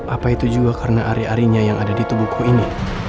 apa itu juga karena ari arinya yang ada di tubuhku ini